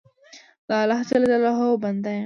د الله جل جلاله بنده یم.